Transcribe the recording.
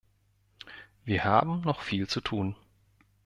Wir haben noch viel zu tun.